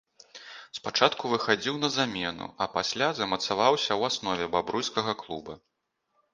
Спачатку выхадзіў на замену, а пасля замацаваўся ў аснове бабруйскага клуба.